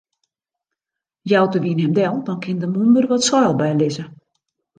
Jout de wyn him del, dan kin de mûnder wat seil bylizze.